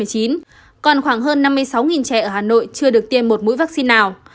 còn khoảng hơn năm mươi sáu trẻ ở hà nội chưa được tiêm một mũi vaccine nào